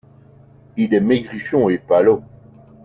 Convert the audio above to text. Il est maigrichon et palot.